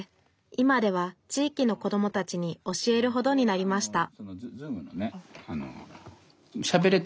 今では地域の子どもたちに教えるほどになりました